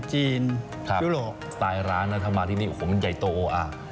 จีนยุโรปสไตล์ร้านนะถ้ามาที่นี่โอ้โหมันใหญ่โตอ่ะ